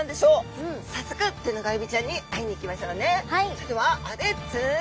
それではあレッツ。